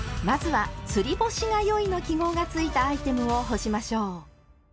まずは「つり干しがよい」の記号がついたアイテムを干しましょう。